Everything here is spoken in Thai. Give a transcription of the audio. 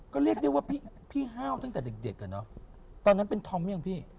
ก็เรียกได้ว่าพี่ห้าวตั้งแต่เด็กอ่ะเนอะตอนนั้นเป็นธอมหรือยังพี่